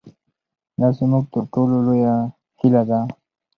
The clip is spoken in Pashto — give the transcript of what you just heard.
دا زموږ تر ټولو لویه هیله ده.